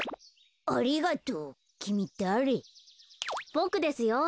ボクですよ。